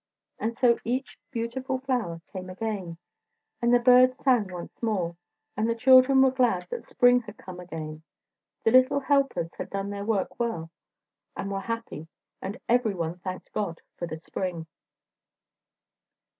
And so each beautiful flower came again and the birds sang once more, and the children were glad that spring had come again. The little helpers had done their work well, and were happy and every one thanked God for the spring.